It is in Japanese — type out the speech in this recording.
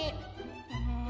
うん。